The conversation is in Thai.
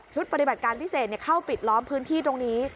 ปฏิบัติการพิเศษเข้าปิดล้อมพื้นที่ตรงนี้